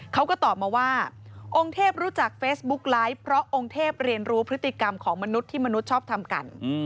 เขาก็ตอบมาว่าองค์เทพรู้จักเฟซบุ๊กไลฟ์เพราะองค์เทพเรียนรู้พฤติกรรมของมนุษย์ที่มนุษย์ชอบทำกัน